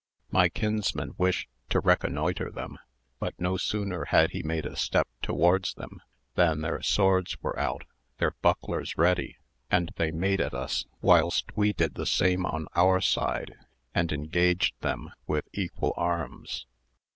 My kinsman wished to reconnoitre them, but no sooner had he made a step towards them than their swords were out, their bucklers ready, and they made at us, whilst we did the same on our side, and engaged them with equal arms.